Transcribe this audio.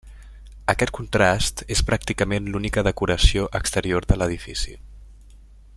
Aquest contrast és pràcticament l'única decoració exterior de l'edifici.